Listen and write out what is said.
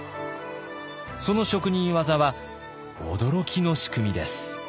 その職人技は驚きの仕組みです。